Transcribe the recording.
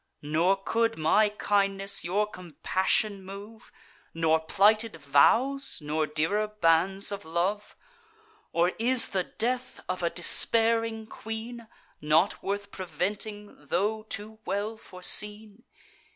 Nor could my kindness your compassion move. Nor plighted vows, nor dearer bands of love? Or is the death of a despairing queen Not worth preventing, tho' too well foreseen?